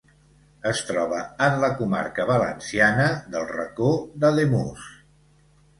Es troba en la comarca valenciana del Racó d'Ademús.